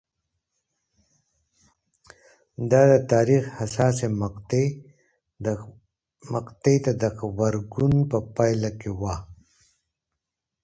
دا د تاریخ حساسې مقطعې ته د غبرګون په پایله کې وه